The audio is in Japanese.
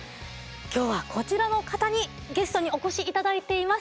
今日はこちらの方にゲストにお越しいただいています。